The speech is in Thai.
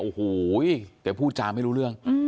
โอ้โหแต่พูดจาไม่รู้เรื่อง